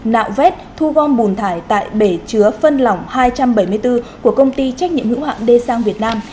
nạo vét thu gom bùn thải tại bể chứa phân lỏng hai trăm bảy mươi bốn của công ty trách nhiệm hữu hạng d sang việt nam